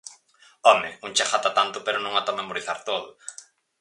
¡Home!, un chega ata tanto pero non ata memorizar todo.